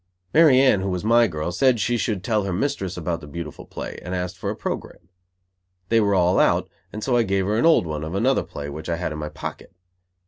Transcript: Mary Anne, who was my girl, said she should tell her mistress about the beautiful play; and asked for a program. They were all out, and so I gave her an old one, of another play, which I had in my pocket.